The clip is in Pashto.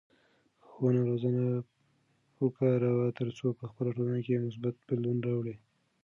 ښوونه او روزنه وکاروه ترڅو په خپله ټولنه کې مثبت بدلون راوړې.